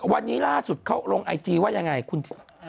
วันนี้ล่าสุดเขาลงไอจีว่ายังไงคุณ